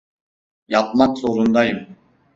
Yapmak zorundayım.